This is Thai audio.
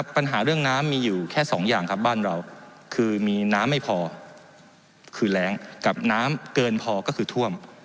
ปัญหาเรื่องน้ำมีอยู่แค่สองอย่างครับบ้านเราคือมีน้ำไม่พอคือแรงกับน้ำเกินพอก็คือท่วม